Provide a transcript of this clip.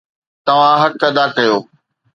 توهان حق ادا ڪيو